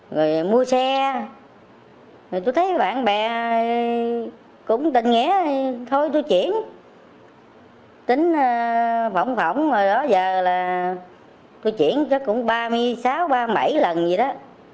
người mua xe rồi tôi thấy bạn bè cũng tình nghĩa thôi tôi chuyển tính phỏng phỏng rồi đó giờ là tôi chuyển chắc cũng ba mươi sáu ba mươi bảy lần gì đó